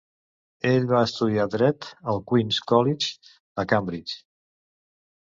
Ell va estudiar dret al Queens' College, a Cambridge.